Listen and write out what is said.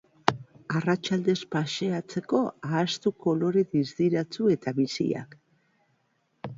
Arratsaldez paseatzeko, ahaztu kolore distiratsu eta biziak.